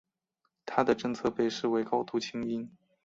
他的政策被视为高度亲英。